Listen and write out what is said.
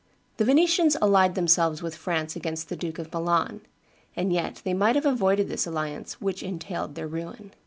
The Venetians allied themselves with France against the Duke of Milan; and yet they might have avoided this alliance, which entailed their ruin."